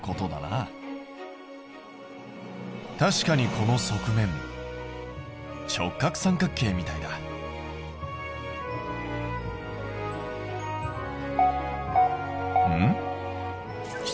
確かにこの側面直角三角形みたいだ。んっ？